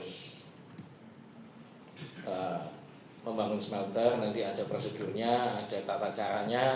seperti saya katakan tadi harus membangun smelter nanti ada prosedurnya ada tata caranya